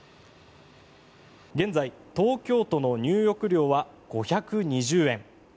現在東京都の入浴料は５２０円。